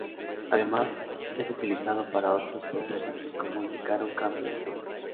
Además es utilizado para otros propósitos como indicar un cambio de sonido.